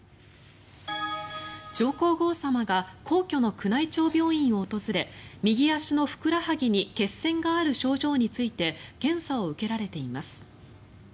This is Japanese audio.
上皇后さまが皇居の宮内庁病院を訪れ右足のふくらはぎに血栓がある症状について検査を受けられています。